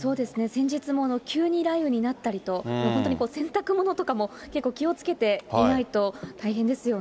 先日も急に雷雨になったりと、本当に洗濯物とかも結構、気をつけていないと大変ですよね。